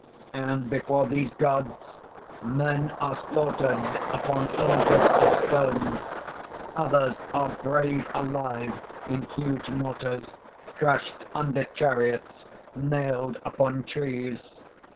_ _And before these gods men are slaughtered upon altars of stone; others are brayed alive in huge mortars, crushed under chariots, nailed upon trees.